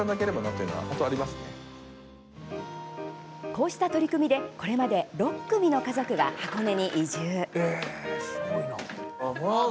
こうした取り組みでこれまで６組の家族が箱根に移住。